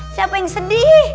siapa yang sedih